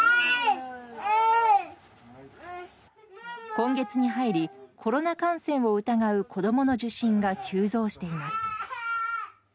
今月に入りコロナ感染を疑う子供の受診が急増しています。